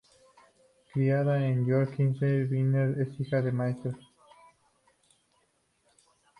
Criada en Yorkshire, Viner es hija de maestros.